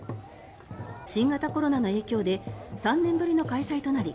新型コロナの影響で３年ぶりの開催となり